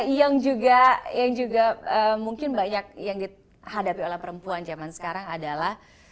yang juga mungkin banyak yang dihadapi oleh perempuan zaman sekarang adalah